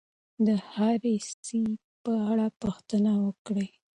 د هر سي په اړه پوښتنه وکړئ.